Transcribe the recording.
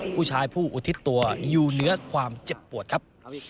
ผู้ชายผู้อุทิศตัวอยู่เหนือความเจ็บปวดครับ